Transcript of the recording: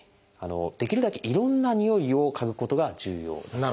できるだけいろんなにおいを嗅ぐことが重要です。